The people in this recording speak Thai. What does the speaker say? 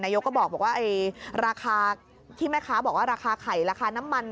ยกก็บอกว่าราคาที่แม่ค้าบอกว่าราคาไข่ราคาน้ำมัน